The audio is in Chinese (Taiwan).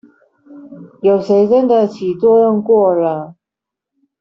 有誰真的起作用過了